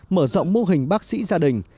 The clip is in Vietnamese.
mở rộng mô hình bác sĩ gia đình